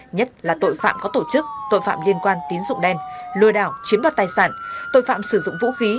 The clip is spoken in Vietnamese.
nhất là tội phạm có tổ chức tội phạm liên quan tín dụng đen lừa đảo chiếm đoạt tài sản tội phạm sử dụng vũ khí